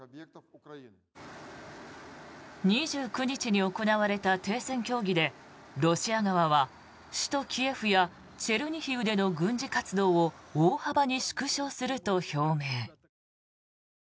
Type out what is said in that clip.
２９日に行われた停戦協議でロシア側は首都キエフやチェルニヒウでの軍事活動を大幅に縮小すると表明。